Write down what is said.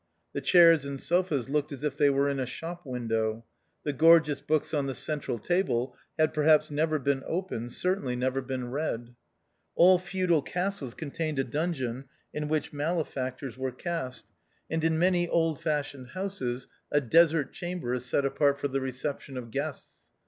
The chairs and sofas looked as if they were in a shop window ; the gorgeous books on the central table had perhaps never been opened, certainly never been read. All feudal castles contained a dun geon in which malefactors were cast ; and THE OUTCAST. 107 in many old fashioned houses a desert cham ber is set apart for the reception of guests.